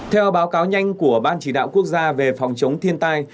theo báo cáo nhanh của ban chỉ đạo quốc gia về phòng chống thiên tai